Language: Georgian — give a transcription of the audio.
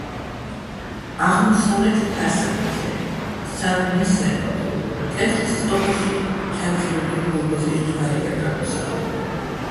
აღმოსავლეთ ფასადზე სარკმლის ზემოთ, კედლის წყობაში ჩაძირული გოლგოთის ჯვარია გამოსახული.